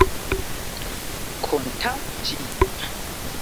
kontakti